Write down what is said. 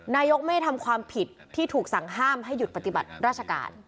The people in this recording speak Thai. นายกไม่ได้ทำความผิดที่ถูกสั่งห้ามให้หยุดปฏิบัติราชการ